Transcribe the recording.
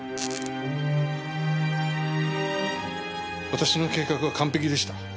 私の計画は完璧でした。